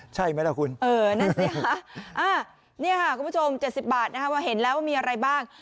ใช่ไหมล่ะคุณเออนั่นสิค่ะนี่ค่ะคุณผู้ชม๗๐บาทว่าเห็นแล้วว่ามีอะไรบ้าง